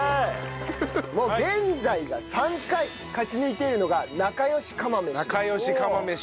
もう現在で３回勝ち抜いているのがなかよし釜飯。